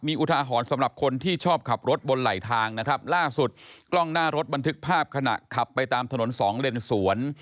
อุทาหรณ์สำหรับคนที่ชอบขับรถบนไหลทางนะครับล่าสุดกล้องหน้ารถบันทึกภาพขณะขับไปตามถนนสองเลนสวน